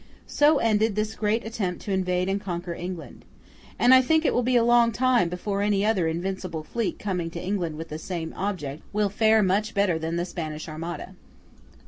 So ended this great attempt to invade and conquer England. And I think it will be a long time before any other invincible fleet coming to England with the same object, will fare much better than the Spanish Armada.